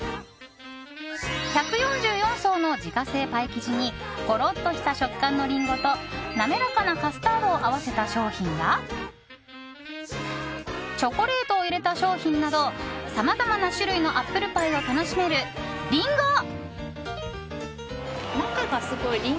１４４層の自家製パイ生地にゴロッとした食感のリンゴと滑らかなカスタードを合わせた商品やチョコレートを入れた商品などさまざまな種類のアップルパイを楽しめるＲＩＮＧＯ。